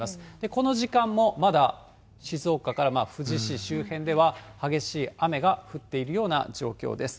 この時間もまだ、静岡から富士市周辺では、激しい雨が降っているような状況です。